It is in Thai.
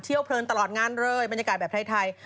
เพลินตลอดงานเลยบรรยากาศแบบไทย